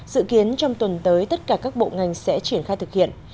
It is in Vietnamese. dự kiến trong tuần tới tất cả các bộ ngành sẽ triển khai thực hiện